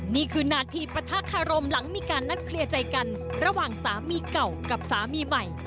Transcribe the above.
นี่คือนาทีปะทะคารมหลังมีการนัดเคลียร์ใจกันระหว่างสามีเก่ากับสามีใหม่